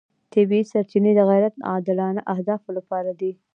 طبیعي سرچینې د غیر عادلانه اهدافو لپاره دي.